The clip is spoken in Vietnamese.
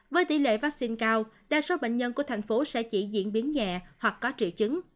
với tỷ lệ vaccine cao đa số bệnh nhân của thành phố sẽ chỉ diễn biến nhẹ hoặc có triệu chứng